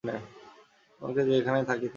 তোমাকে যে এইখানে থাকিতে হইবে।